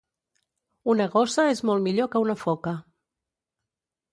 Una gossa és molt millor que una foca